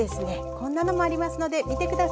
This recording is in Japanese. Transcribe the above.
こんなのもありますので見てください。